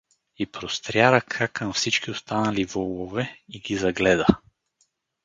И простря ръка към всички останали волове и ги загледа.